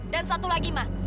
dan satu lagi ma